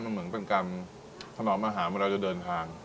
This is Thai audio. มันเหมือนเป็นการขนอดมหาวันเราจะเดินทาง